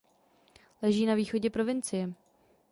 Leží na východě provincie.